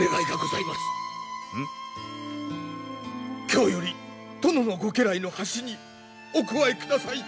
今日より殿のご家来の端にお加えください。